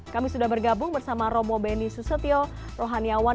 kami sudah bergabung bersama romo beni susetio rohaniawan